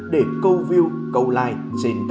đi ra ngoài đi